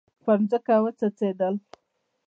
پر مځکه وڅڅیدل